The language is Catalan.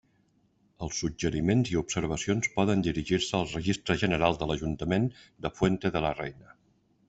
Els suggeriments i observacions poden dirigir-se al Registre General de l'Ajuntament de Fuente de la Reina.